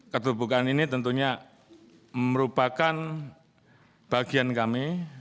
keterbukaan ini tentunya merupakan bagian kami